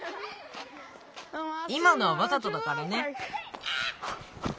いまのはわざとだからね。